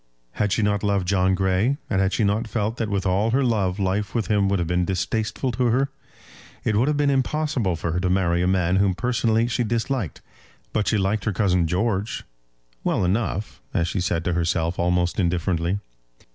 Had she not loved John Grey, and had she not felt that with all her love life with him would have been distasteful to her? It would have been impossible for her to marry a man whom personally she disliked; but she liked her cousin George, well enough, as she said to herself almost indifferently.